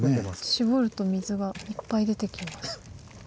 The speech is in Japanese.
絞ると水がいっぱい出てきます。